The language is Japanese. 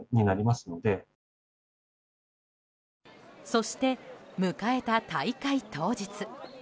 そして、迎えた大会当日。